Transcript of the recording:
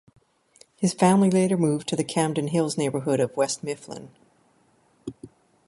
His family later moved to the Camden Hills neighborhood of West Mifflin.